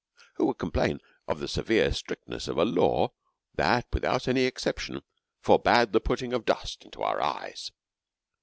Who could complain of the severe strictness of a law that, without any exception, forbade the putting' of dust into your eyes?